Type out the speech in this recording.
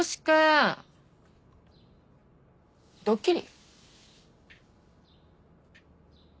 ドッキリ？